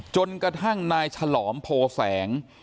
จนกระทั่งนายฉลอมโพแสง